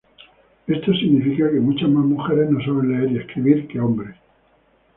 Esto significa que muchas más mujeres no saben leer y escribir que los hombres.